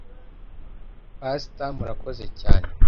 Pastor Murakoze cyane